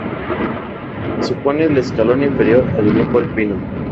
Supone el escalón inferior al grupo alpino.